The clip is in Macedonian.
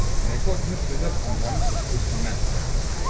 Некои од нив лижат бонбони со вкус на мента.